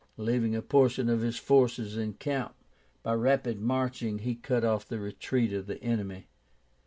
Leaving a portion of his forces in camp, by rapid marching he cut off the retreat of the enemy.